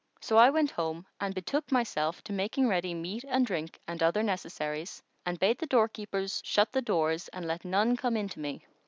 So I went home and betook myself to making ready meat and drink and other necessaries and bade the doorkeepers shut the doors and let none come in to me.